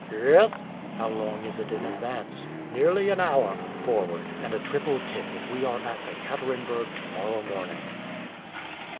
"Yes." "How long is it in advance?" "Nearly an hour." "Forward, and a triple tip if we are at Ekaterenburg to morrow morning."